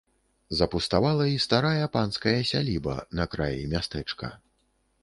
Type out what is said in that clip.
Запуставала і старая панская сяліба на краі мястэчка.